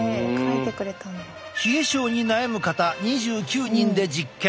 冷え症に悩む方２９人で実験。